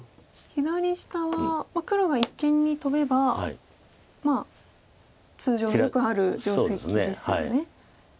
左下は黒が一間にトベばまあ通常のよくある定石ですよね。